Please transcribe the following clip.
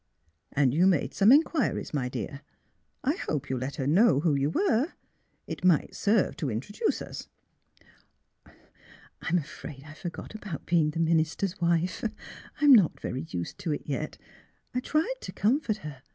'^ And you made some inquiries, my dear? I hope you let her know who you were. It might serve to introduce us." *' I'm afraid I forgot about being the minister's wife; I'm not very used to it yet. I tried to com fort her.